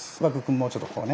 もうちょっとこうね。